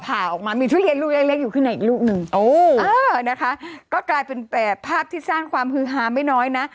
ผ่าออกมามีทุเรียนลูกเล็กเล็กอยู่ข้างในอีกลูกหนึ่งโอ้เออนะคะก็กลายเป็นแบบภาพที่สร้างความฮือฮาไม่น้อยนะ